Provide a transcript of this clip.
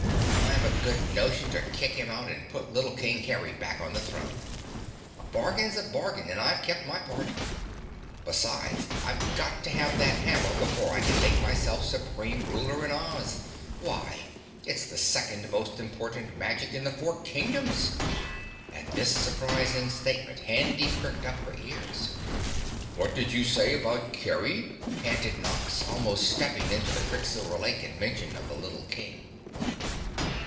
I've a good notion to kick him out and put little King Kerry back on the throne. A bargain's a bargain and I've kept my part. Besides, I've got to have that hammer before I can make myself supreme ruler in Oz. Why, it's the second most important magic in the four Kingdoms!" At this surprising statement Handy pricked up her ears. "What did you say about Kerry?" panted Nox, almost stepping into the quicksilver lake at mention of the little King.